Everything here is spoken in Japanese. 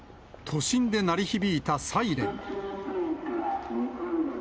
都心で鳴り響いたサイレン。